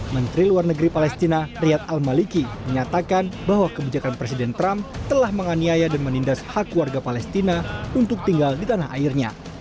menteri luar negeri palestina riyad al maliki menyatakan bahwa kebijakan presiden trump telah menganiaya dan menindas hak warga palestina untuk tinggal di tanah airnya